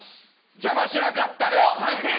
邪魔しなかったよ！